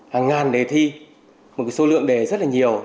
hàng ngàn đề thi một số lượng đề rất là nhiều